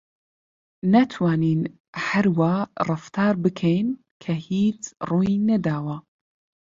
ناتوانین هەر وا ڕەفتار بکەین کە هیچ ڕووی نەداوە.